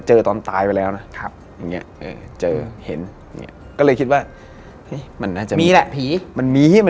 เชื่อ๔๐ว่าโลกนี้มีผี